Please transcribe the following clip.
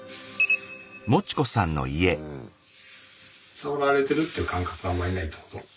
触られてるっていう感覚があんまりないってこと？